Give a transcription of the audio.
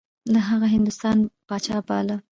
هغه د هندوستان پاچا باله.